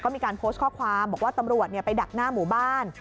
มีการโพสต์ข้อความบอกว่าตำรวจไปดักหน้าหมู่บ้าน